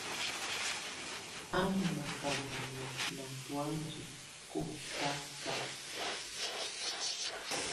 Á ndù makaàna nɔ̀á ná tɔ̀ánjɛ̀ kɔtaka.